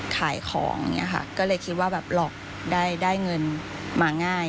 ขายของอย่างนี้ค่ะก็เลยคิดว่าแบบหลอกได้เงินมาง่าย